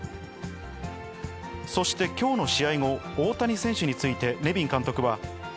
そしてきょうの試合後、大谷選手について、ネビン監督は。